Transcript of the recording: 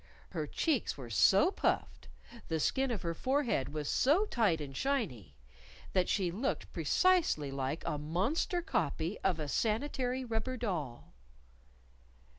Her cheeks were so puffed, the skin of her forehead was so tight and shiny, that she looked precisely like a monster copy of a sanitary rubber doll!